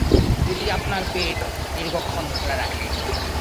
এটি আপনার পেট দীর্ঘক্ষণ ভরা রাখে।